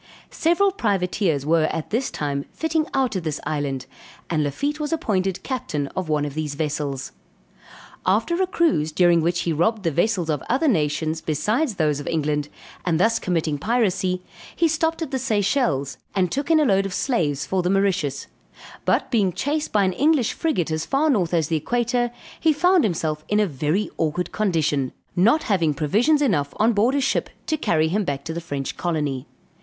Several privateers were at this time fitting out at this island, and Lafitte was appointed captain of one of these vessels; after a cruise during which he robbed the vessels of other nations, besides those of England, and thus committing piracy, he stopped at the Seychelles, and took in a load of slaves for the Mauritius; but being chased by an English frigate as far north as the equator, he found himself in a very awkward condition; not having provisions enough on board his ship to carry him back to the French Colony.